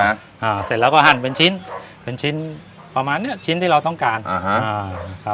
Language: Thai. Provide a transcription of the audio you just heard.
อ่าเสร็จแล้วก็หั่นเป็นชิ้นเป็นชิ้นประมาณเนี้ยชิ้นที่เราต้องการอ่าฮะอ่าครับ